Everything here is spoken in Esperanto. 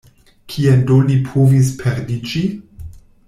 Kien do li povis perdiĝi?